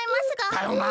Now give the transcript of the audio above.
だよな。